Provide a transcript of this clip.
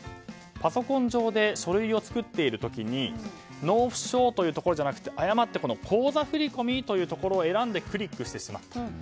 パソコン上で書類を作っている時に納付書というところではなくて口座振り込みというところを選んでクリックしてしまったと。